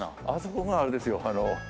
あそこがあれですよ